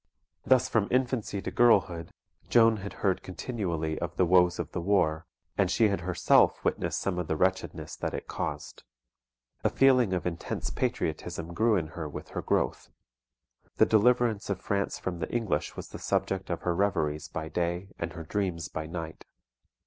Thus from infancy to girlhood Joan had heard continually of the woes of the war, and she had herself witnessed some of the wretchedness that it caused. A feeling of intense patriotism grew in her with her growth. The deliverance of France from the English was the subject of her reveries by day and her dreams by night.